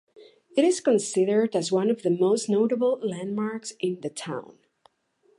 It is considered as one of the most notable landmarks in the town.